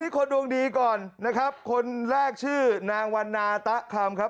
คนดวงดีก่อนนะครับคนแรกชื่อนางวันนาตะคำครับ